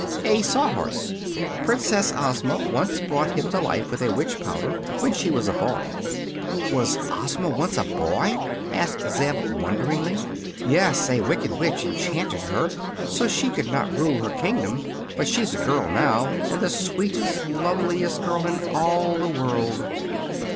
"A sawhorse. Princess Ozma once brought him to life with a witch powder, when she was a boy." "Was Ozma once a boy?" asked Zeb, wonderingly. "Yes; a wicked witch enchanted her, so she could not rule her kingdom. But she's a girl now, and the sweetest, loveliest girl in all the world."